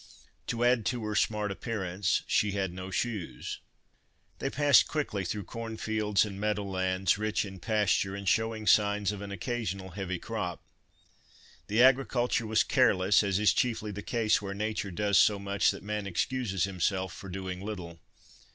To add to her smart appearance, she had no shoes. They passed quickly through cornfields and meadow lands, rich in pasture, and showing signs of an occasional heavy crop. The agriculture was careless, as is chiefly the case where Nature does so much that man excuses himself for doing little.